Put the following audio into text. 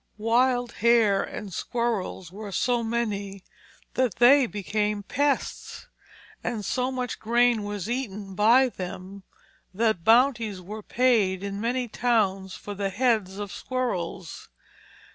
Wild hare and squirrels were so many that they became pests, and so much grain was eaten by them that bounties were paid in many towns for the heads of squirrels.